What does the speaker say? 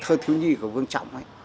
thơ thiếu nhi của vương trọng ấy